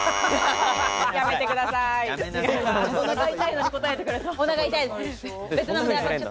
やめてください。